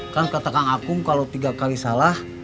kan kata kang akung kalau tiga kali salah